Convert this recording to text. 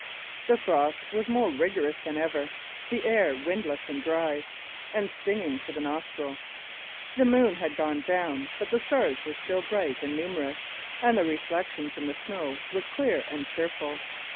The frost was more rigorous than ever; the air windless and dry, and stinging to the nostril. The moon had gone down, but the stars were still bright and numerous, and the reflection from the snow was clear and cheerful.